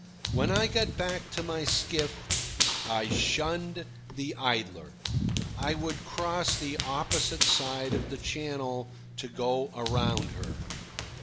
When I got back to my skiff, I shunned the Idler. I would cross the opposite side of the channel to go around her.